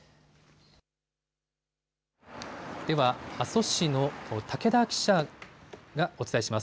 では阿蘇市武田記者がお伝えします。